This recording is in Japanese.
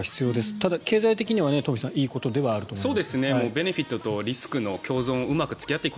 ただ、経済的にはいいことではあると思います。